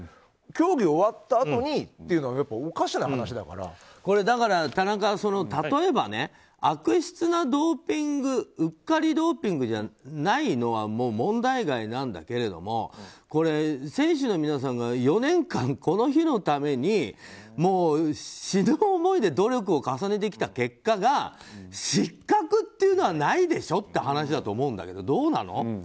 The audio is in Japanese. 競技終わったあとにというのは田中、例えば悪質なドーピングうっかりドーピングじゃないのは問題外なんだけどもこれ、選手の皆さんが４年間、この日のために死ぬ思いで努力を重ねてきた結果が失格っていうのはないでしょっていう話だと思うんだけどどうなの？